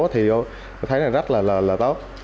thì tôi thấy là rất là tốt